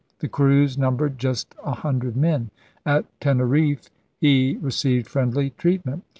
The crews numbered just a hundred men. *At Teneriffe he received friendly treatment.